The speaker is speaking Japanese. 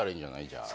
じゃあ。